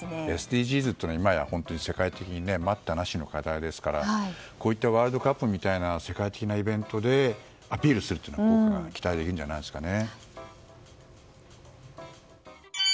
ＳＤＧｓは今や本当に世界的に待ったなしの課題ですからこうしたワールドカップみたいな世界的なイベントでアピールするのが期待できるんじゃないでしょうか。